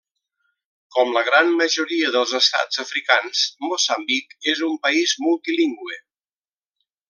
Com la gran majoria dels estats africans, Moçambic és un país multilingüe.